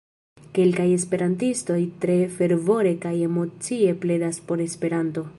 Kelkaj esperantistoj tre fervore kaj emocie pledas por Esperanto.